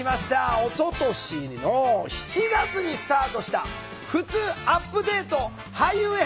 おととしの７月にスタートした「ふつうアップデート俳優編」